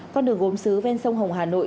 con đường gốm xứ ven sông hồng hà nội